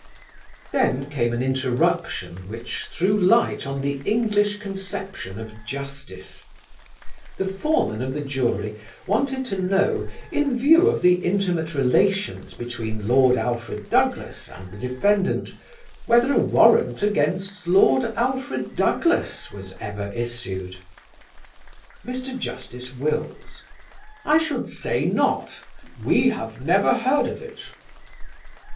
Then came an interruption which threw light on the English conception of justice. The foreman of the jury wanted to know, in view of the intimate relations between Lord Alfred Douglas and the defendant, whether a warrant against Lord Alfred Douglas was ever issued. Mr. Justice Wills: "I should say not; we have never heard of it."